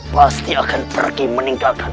pasti akan pergi meninggalkan